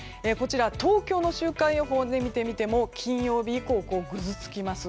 東京の週間予報を見てみても金曜日以降、ぐずつきます。